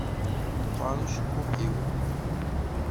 Meqqeṛ ucekkuḥ-iw.